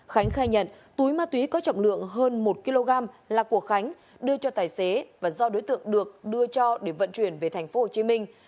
khánh khai nhận túi ma túy có trọng lượng hơn một kg là của khánh đưa cho tài xế và do đối tượng được đưa cho để vận chuyển về thành phố hồ chí minh